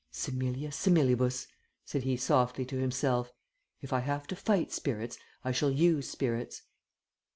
"Similia similibus," said he softly to himself. "If I have to fight spirits, I shall use spirits."